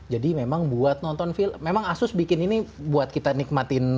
jadi memang buat nonton film memang asus bikin ini buat kita nikmatin